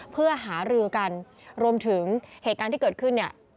เพื่อหารือกันรวมถึงเหตุการณ์ที่เกิดขึ้นเนี่ย